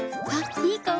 いい香り。